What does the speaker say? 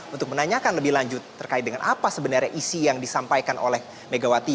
untuk menanyakan lebih lanjut terkait dengan apa sebenarnya isi yang disampaikan oleh megawati